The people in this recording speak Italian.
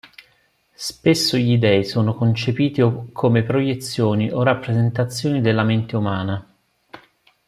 Spesso gli dei sono concepiti come proiezioni o rappresentazioni della mente umana.